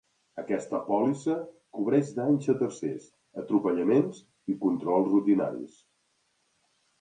Aquesta pòlissa cobreix danys a tercers, atropellaments i controls rutinaris.